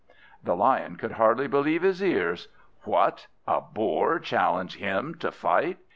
The Lion could hardly believe his ears. What! a Boar challenge him to fight!